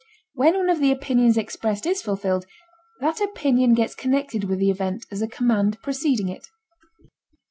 When one of the opinions expressed is fulfilled, that opinion gets connected with the event as a command preceding it.